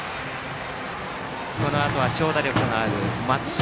このあとは長打力がある松嶋